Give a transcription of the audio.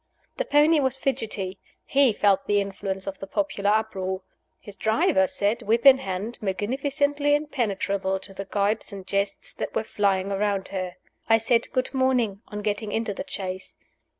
The pony was fidgety he felt the influence of the popular uproar. His driver sat, whip in hand, magnificently impenetrable to the gibes and jests that were flying around her. I said "Good morning" on getting into the chaise.